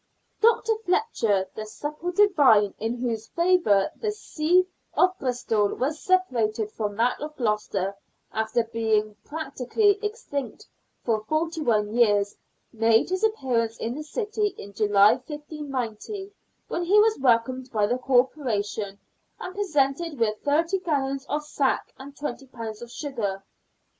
Dr. Fletcher, the supple divine in whose favour the See of Bristol was separated from that of Gloucester, after being practically extinct for forty one years, made his appearance in the city in July, 1590, when he was welcomed by the Corporation, and presented with thirty gallons of sack and twenty pounds of sugar.